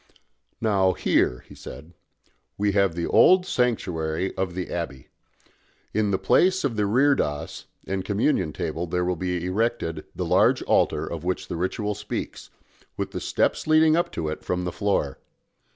"Now here," he said, "we have the old sanctuary of the abbey. In the place of the reredos and Communion table there will be erected the large altar of which the ritual speaks, with the steps leading up to it from the floor.